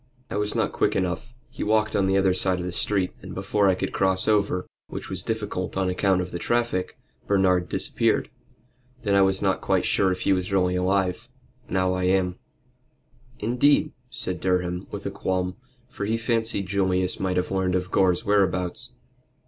"I was not quick enough. He walked on the other side of the street, and before I could cross over, which was difficult on account of the traffic, Bernard disappeared. Then I was not quite sure if he really was alive. Now I am." "Indeed?" said Durham, with a qualm, for he fancied Julius might have learned of Gore's whereabouts.